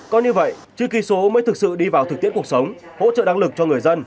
còn như vậy chữ kỳ số mới thực sự đi vào thực tiễn cuộc sống hỗ trợ đăng lực cho người dân